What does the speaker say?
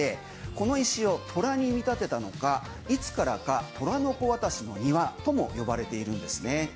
この石を虎に見立てたのかいつからか虎の子渡しの庭とも呼ばれているんですね。